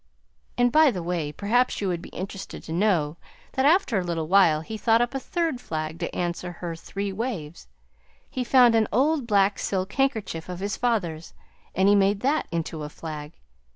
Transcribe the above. And, by the way, perhaps you would be interested to know that after a while he thought up a third flag to answer her three waves. He found an old black silk handkerchief of his father's, and he made that into a flag.